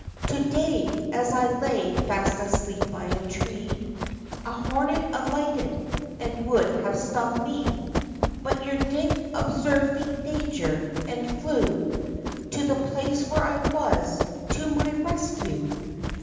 To day, as I lay fast asleep by a tree, A hornet alighted, and would have stung me, But your Dick observed the danger, and flew To the place where I was, to my rescue."